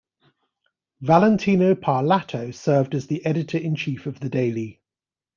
Valentino Parlato served as the editor-in-chief of the daily.